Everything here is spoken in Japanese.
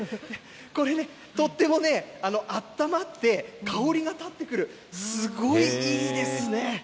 これね、とってもあったまって、香りが立ってくる、すごいいいですね。